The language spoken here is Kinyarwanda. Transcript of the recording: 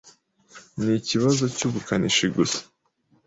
Ni ikibazo cyubukanishi gusa.